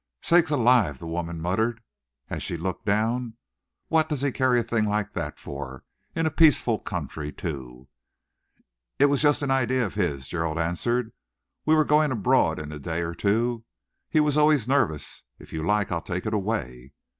"Sakes alive!" the woman muttered, as she looked down. "What does he carry a thing like that for in a peaceful country, too!" "It was just an idea of his," Gerald answered. "We were going abroad in a day or two. He was always nervous. If you like, I'll take it away."